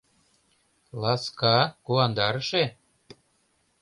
Ласка, куандарыше?